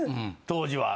当時は。